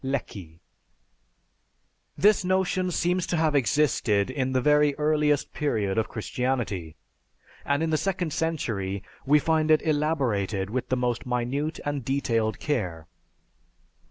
(Lecky.) "This notion seems to have existed in the very earliest period of Christianity; and in the second century, we find it elaborated with the most minute and detailed care.